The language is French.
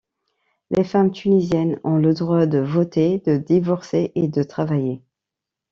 Les femmes tunisiennes ont le droit de voter, de divorcer et de travailler.